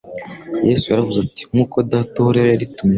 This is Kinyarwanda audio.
Yesu yaravuze ati: « Nk’uko Data uhoraho yaritumye,